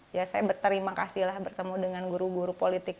ya saya berterima kasih lah bertemu dengan guru guru politik